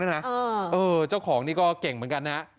เจ้าของนี่ก็เก่งเหมือนกันนะ